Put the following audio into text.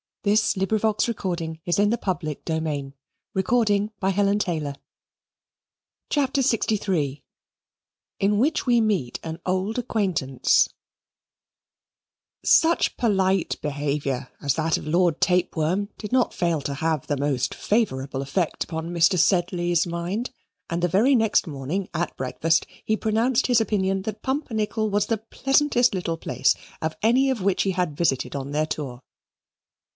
We rather hoped that nice looking woman would be induced to stay some time in the town. CHAPTER LXIII In Which We Meet an Old Acquaintance Such polite behaviour as that of Lord Tapeworm did not fail to have the most favourable effect upon Mr. Sedley's mind, and the very next morning, at breakfast, he pronounced his opinion that Pumpernickel was the pleasantest little place of any which he had visited on their tour.